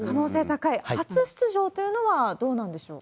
初出場というのは、どうなんでしょうか。